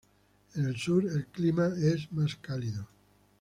En el sur, el clima es más cálido.